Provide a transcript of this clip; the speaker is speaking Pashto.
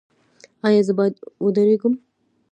ایا زه باید ودریږم؟